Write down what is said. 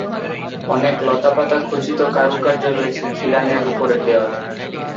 অনেক লতাপাতা খচিত কারুকার্য রয়েছে খিলানের ওপরের দেয়ালে।